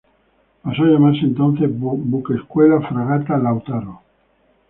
Pasó a llamarse entonces "Buque Escuela Fragata Lautaro".